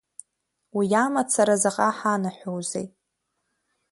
Уи амацара заҟа ҳанаҳәоузеи.